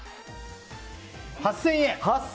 ８０００円。